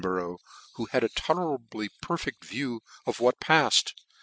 33 burgh, who had a tolerably perfect view of what patted.